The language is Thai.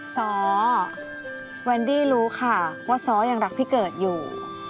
ซ้อแวนดี้รู้ค่ะว่าซ้อยังรักพี่เกิดอยู่